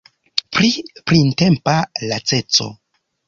Pri printempa laceco.